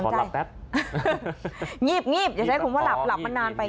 หงีบอย่าใช้คุณว่าหลับหลับมานานไป